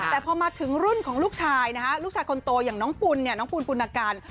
แต่พอมาถึงรุ่นของลูกชายนะครับลูกชายคนโตอย่างน้องปุณปุณกัน